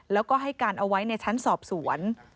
แล้วก็ให้การเอาไว้ในชั้นสอบสวน